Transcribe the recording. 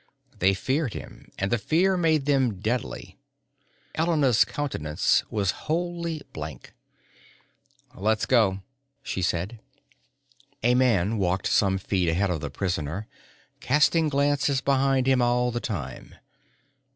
They feared him and the fear made them deadly. Elena's countenance was wholly blank. "Let's go," she said. A man walked some feet ahead of the prisoner, casting glances behind him all the time.